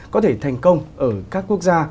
có thể thành công ở các quốc gia